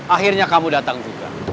akhirnya kamu datang juga